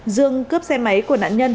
dương cướp xe máy của nạn nhân